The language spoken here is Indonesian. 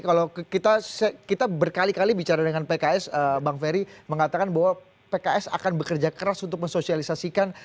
kalau kita berkali kali bicara dengan pks bang ferry mengatakan bahwa pks akan bekerja keras untuk mensosialisasikan